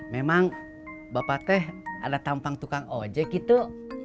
memang bapak teh ada tampang tukang ojek gitu